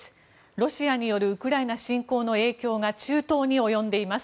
ロシアによるウクライナ侵攻の影響が中東に及んでいます。